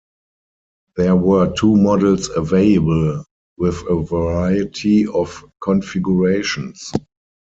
There were two models available, with a variety of configurations.